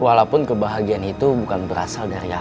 walaupun kebahagiaan itu bukan berasal dari aku rak